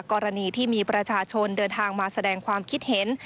กรณีที่มีประชาชนเดินทางมาแสดงความคิดเห็น